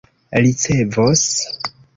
ricevos